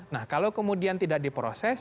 nah kalau kemudian tidak diproses